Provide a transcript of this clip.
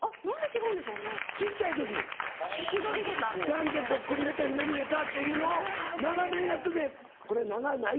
「ジャンケンぽっくりげたひのりげた」っていうのを長年やってて「これ長ない？」